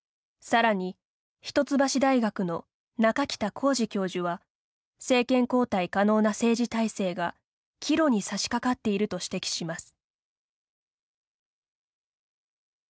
さらに一橋大学の中北浩爾教授は政権交代可能な政治体制が岐路にさしかかっていると指摘します。